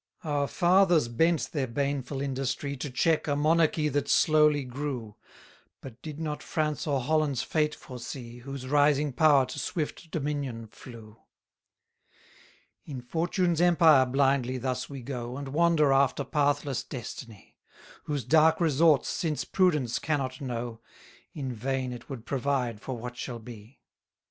199 Our fathers bent their baneful industry, To check a, monarchy that slowly grew; But did not France or Holland's fate foresee, Whose rising power to swift dominion flew. 200 In fortune's empire blindly thus we go, And wander after pathless destiny; Whose dark resorts since prudence cannot know, In vain it would provide for what shall be.